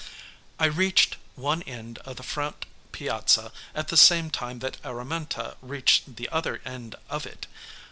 I reached one end of the front piazza at the same time that Araminta reached the other end of it.